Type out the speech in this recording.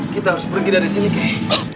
kita harus pergi dari sini kay